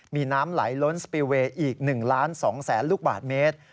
มีน้ำไหลล้นสปีลเวย์อีก๑ล้าน๒แสนลูกบาทเมตร